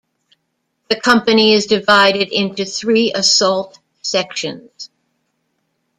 The company is divided into three assault sections.